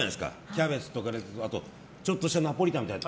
キャベツとかあと、ちょっとしたナポリタンみたいなの。